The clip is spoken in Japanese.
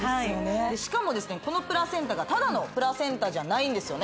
しかもこのプラセンタがただのプラセンタじゃないんですよね